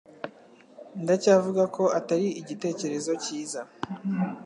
Ndacyavuga ko atari igitekerezo cyiza